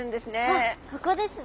あっここですね。